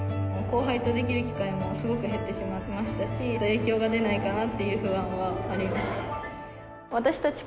後輩とできる機会もすごく減ってしまいましたし、影響が出ないかなという不安はありました。